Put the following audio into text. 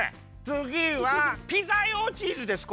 つぎはピザ用チーズです。